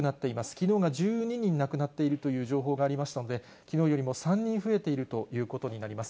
きのうが１２人亡くなっているという情報がありましたので、きのうよりも３人増えているということになります。